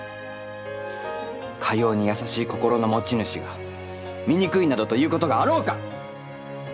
かように優しい心の持ち主が醜いなどということがあろうか！